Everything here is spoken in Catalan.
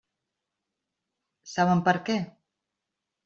Saben per què?